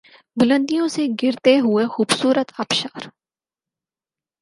بلندیوں سے گرتے ہوئے خوبصورت آبشار